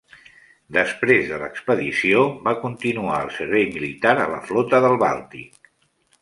Després de l'expedició, va continuar el servei militar a la Flota del Bàltic.